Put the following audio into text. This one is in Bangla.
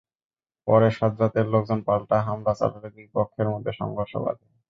পরে সাজ্জাদের লোকজন পাল্টা হামলা চালালে দুই পক্ষের মধ্যে সংঘর্ষ বাধে।